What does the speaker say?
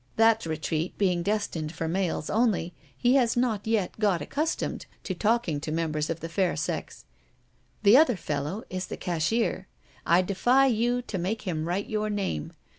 That retreat being destined for males only, he has not yet got accustomed to talking to members of the fair sex. The other fellow is the cashier. I defy you to make him write your name.